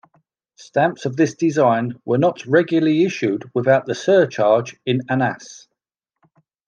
Stamps of this design were not regularly issued without the surcharge in annas.